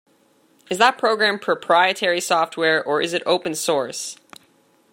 Is that program proprietary software, or is it open source?